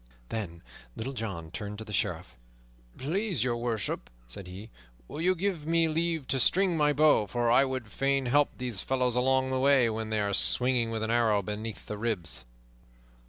Then Little John turned to the Sheriff. "Please Your Worship," said he, "will you give me leave to string my bow? For I would fain help these fellows along the way, when they are swinging, with an arrow beneath the ribs."